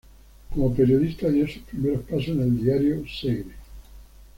Como periodista dio sus primeros pasos en el diario Segre.